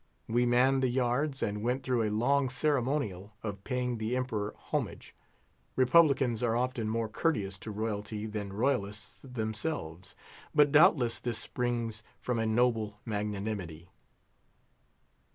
We manned the yards, and went through a long ceremonial of paying the Emperor homage. Republicans are often more courteous to royalty than royalists themselves. But doubtless this springs from a noble magnanimity.